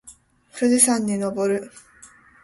富士山に登る